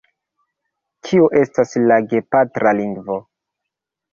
Kio estas la gepatra lingvo?